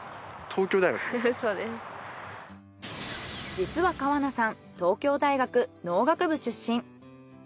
実は川名さん東京大学農学部出身。